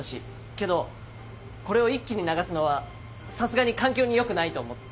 けどこれを一気に流すのはさすがに環境によくないと思って。